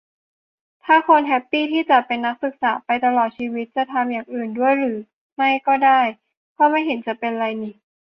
ถ้าคนแฮปปี้ทีจะเป็นนักศึกษาไปตลอดชีวิต จะทำอย่างอื่นด้วยหรือไม่ก็ได้ ก็ไม่เห็นจะเป็นไรนิ